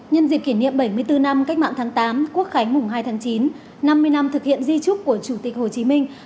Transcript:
nhân dịp kỷ niệm bảy mươi bốn năm cách mạng tháng tám quốc khánh mùng hai tháng chín năm mươi năm thực hiện di trúc của chủ tịch hồ chí minh